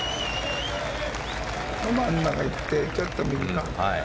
ど真ん中に行ってちょっと右か。